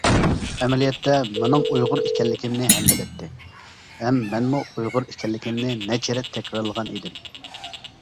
ئەمەلىيەتتە، مېنىڭ ئۇيغۇر ئىكەنلىكىمنى ھەم بىلەتتى، ھەم مەنمۇ ئۇيغۇر ئىكەنلىكىمنى نەچچە رەت تەكرارلىغان ئىدىم .